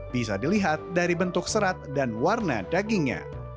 bisa dilihat dari bentuk serat dan warna dagingnya